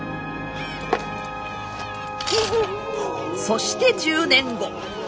そして１０年後。